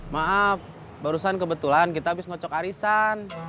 maaf barusan kebetulan kita habis ngocok arisan